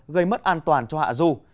gây mất an toàn cho hạ du